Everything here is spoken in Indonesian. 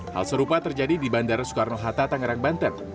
hal serupa terjadi di bandara soekarno hatta tangerang banten